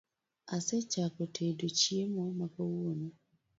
Asechako tedo chiemo ma kawuono